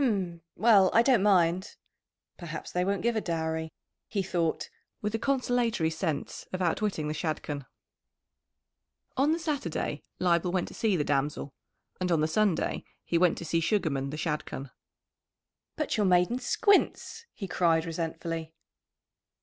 "H'm! Well, I don't mind!" "Perhaps they won't give a dowry," he thought, with a consolatory sense of outwitting the Shadchan. On the Saturday Leibel went to see the damsel, and on the Sunday he went to see Sugarman the Shadchan. "But your maiden squints!" he cried resentfully.